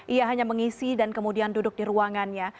ia hanya mengisi dan kemudian duduk di ruangannya